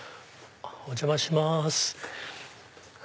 お邪魔します。